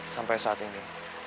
sampai saat ini